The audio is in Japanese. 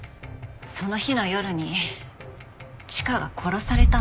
その日の夜にチカが殺されたの。